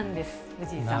藤井さん。